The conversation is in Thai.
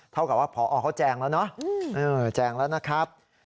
เท่ากับว่าพอเขาแจงแล้วเนาะแจงแล้วนะครับ